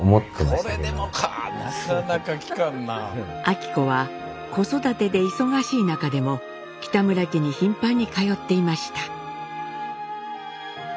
昭子は子育てで忙しい中でも北村家に頻繁に通っていました。